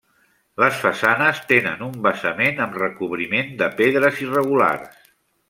Les façanes tenen un basament amb recobriment de pedres irregulars.